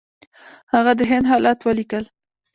هغه د هند حالات ولیکل.